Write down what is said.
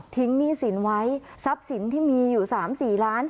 หนี้สินไว้ทรัพย์สินที่มีอยู่๓๔ล้าน